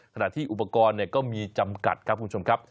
ขณะที่อุปกรณ์ก็มีจำกัดครับคุณผู้ชมครับ